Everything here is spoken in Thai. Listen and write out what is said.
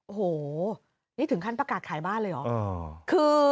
โอ้โหนี่ถึงขั้นประกาศขายบ้านเลยเหรอ